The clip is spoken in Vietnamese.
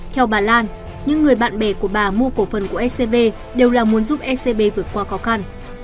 theo bà lan những người bạn bè của bà mua cổ phần của scb đều là muốn giúp scb vượt qua khó khăn